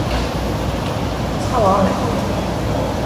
明日は雨